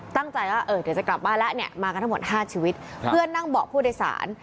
ตั้งใจว่าเออเดี๋ยวจะกลับบ้านแล้วเนี่ยมากันทั้งหมดห้าชีวิตเพื่อนนั่งเบาะผู้โดยสาร